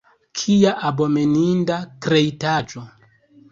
Kia abomeninda kreitaĵo!